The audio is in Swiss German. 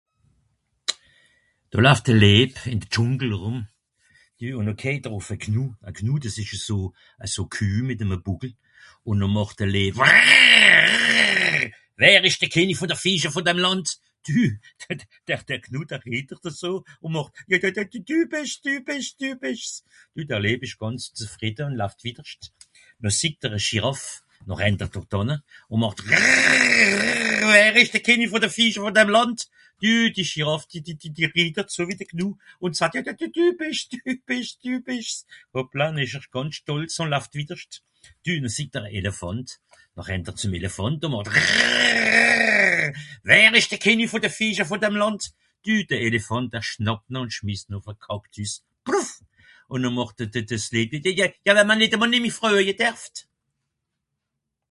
"Do laaft de Leeb ìn de Dschùngel rùm. Dü ! ùn e Kèiter ùf e Knuh, e knuh dìs ìch eso... eso Küh mìt eme Bùckel. Ùn noh màcht de Leeb ""RRRR-RRRRRR wer ìsch de Kìnni vù de (...) vù dem Lànd ?"" Dü ! d-d-d'r-d'r dr Knuh der Rìdert ùn màcht : ""D-d-d-dü bìsch's, dü bìsch's, dü bìsch's"". Dü ! der Leeb er ìsch gànz zefrìdde ùn laaft witterscht. Noh sieht'r e Giraf. Noh rennt'r dert ànne ùn màcht : ""RRRR-RRRRRR wer ìsch de Kìnni vùn de (...) vù dem Lànd ?"" Dü ! die Giraf di-di-di rìdert so wie de Knu. Ùn saat ""d-d-d-d dü bìsch's, dü bìsch's, dü bìsch's"". Hopla, noh ìsch'r gànz stolz ùn laaft wìdderscht. Dü ! noh sieht'r e Elephànt. Noh rennt'r zem Elephànt ùn màcht RRRR-RRRRRR ""wer ìsch de Kìnni vùn de (...) vù dem Lànd ?"". Dü ! De Elephànt der schnàppt ne ùn schmìsst ne ùf e Kàcktüs. pouf ! Ùn noh màcht de-de-de-de Leeb ""J-j-ja we'mr nìt e mol fröje derft !"""